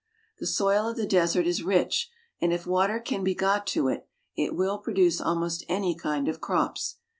The soil of the desert is rich, and if water can be got to it it will, produce almost any kind of crops.